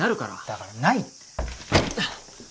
だからないって。